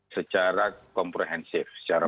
secara komprehensif secara